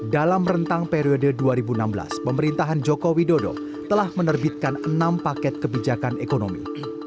dalam rentang periode dua ribu enam belas pemerintahan joko widodo telah menerbitkan enam paket kebijakan ekonomi